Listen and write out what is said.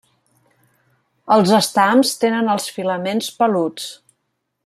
Els estams tenen els filaments peluts.